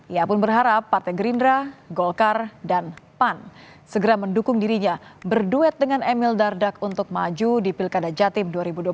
ia pun berharap partai gerindra golkar dan pan segera mendukung dirinya berduet dengan emil dardak untuk maju di pilkada jatim dua ribu dua puluh